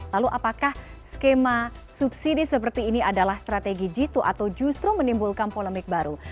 lalu apakah skema subsidi seperti ini adalah strategi jitu atau justru menimbulkan polemik baru